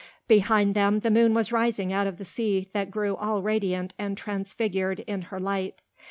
Behind them the moon was rising out of the sea that grew all radiant and transfigured in her light.